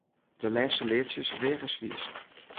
De lêste leadsjes weage swierst.